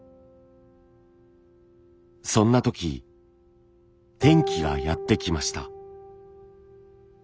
そんな時転機がやってきました。